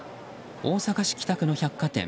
大阪市北区の百貨店